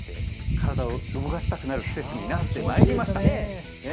気温が下がってきて体を動かしたくなる季節になってまいりましたね。